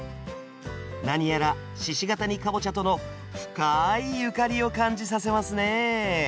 何やら鹿ケ谷かぼちゃとの深いゆかりを感じさせますね。